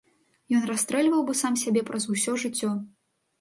Ён расстрэльваў бы сам сябе праз усё жыццё.